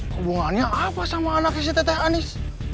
hubungannya apa sama anaknya si teteh anies